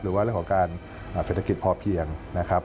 หรือว่าเรื่องของการเศรษฐกิจพอเพียงนะครับ